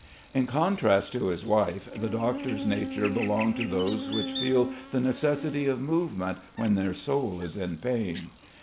In contrast to his wife the doctor's nature belonged to those which feel the necessity of movement when their soul is in pain.